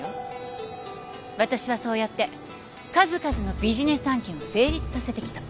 私はそうやって数々のビジネス案件を成立させてきた。